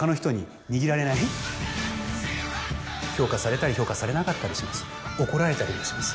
評価されたり評価されなかったりします。